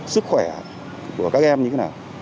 sức khỏe của các em như thế nào